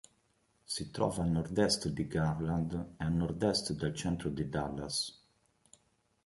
Si trova a nord-est di Garland e a nord-est dal centro di Dallas.